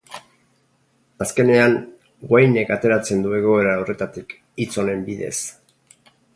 Azkenean, Gwainek ateratzen du egoera horretatik, hitz onen bidez.